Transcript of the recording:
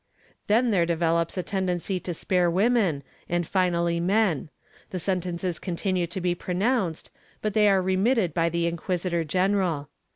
Then there developes a tendency to spare women and finally men; the sentences continue to be pronounced, but they are remitted by the inquisitor general.